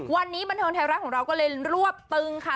วันนี้บันเทิงไทยรัฐของเราก็เลยรวบตึงค่ะ